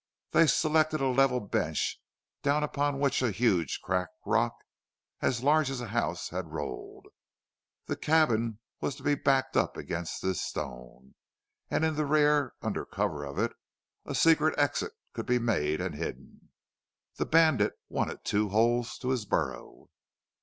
They selected a level bench down upon which a huge cracked rock, as large as a house, had rolled. The cabin was to be backed up against this stone, and in the rear, under cover of it, a secret exit could be made and hidden. The bandit wanted two holes to his burrow.